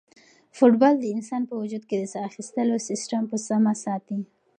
فوټبال د انسان په وجود کې د ساه اخیستلو سیسټم په سمه ساتي.